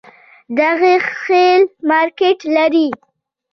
د غني خیل مارکیټ لري